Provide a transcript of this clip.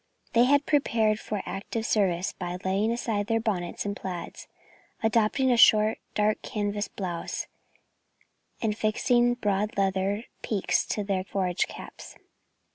They had prepared for active service by laying aside their bonnets and plaids, adopting a short dark canvas blouse and fixing broad leather peaks to their forage caps.